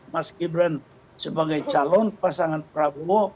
mas gibran sebagai calon pasangan prabowo